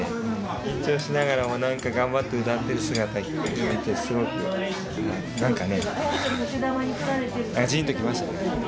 緊張しながらもなんか頑張って歌ってる姿見られてすごくなんかね。